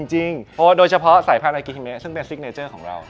จริงเพราะว่าโดยเฉพาะสายพันธุ์อิโกชีฮิเมซึ่งเป็นสิกเนเจอร์ของเรา